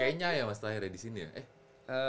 kayaknya ya mas terakhir ya disini ya